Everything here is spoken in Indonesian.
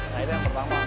nah itu yang pertama